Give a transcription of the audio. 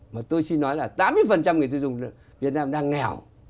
mà tôi xin nói là tám mươi người tiêu dùng việt nam đang nghèo